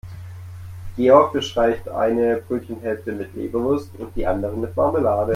Georg bestreicht eine Brötchenhälfte mit Leberwurst und die andere mit Marmelade.